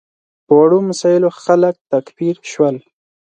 په وړو مسایلو خلک تکفیر شول.